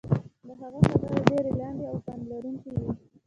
د هغه خبرې ډېرې لنډې او پند لرونکې وې.